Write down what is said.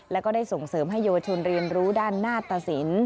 แล้วก็ได้ส่งเสริมให้เยาวชนเรียนรู้ด้านหน้าตสิน